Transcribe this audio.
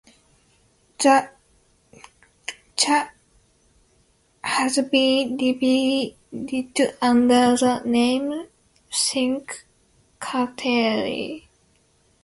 The church has been rebuilt under the name Saint Kateri.